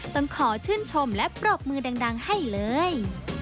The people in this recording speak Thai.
ต้องขอชื่นชมและปรบมือดังให้เลย